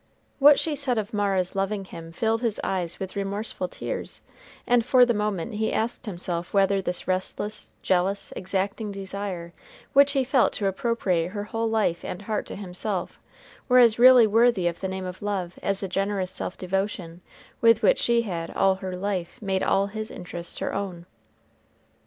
What she said of Mara's loving him filled his eyes with remorseful tears, and for the moment he asked himself whether this restless, jealous, exacting desire which he felt to appropriate her whole life and heart to himself were as really worthy of the name of love as the generous self devotion with which she had, all her life, made all his interests her own.